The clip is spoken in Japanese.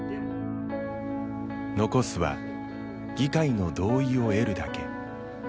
残すは議会の同意を得るだけ。